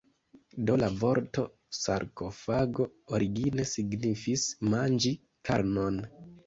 Do la vorto sarkofago origine signifis "manĝi karnon".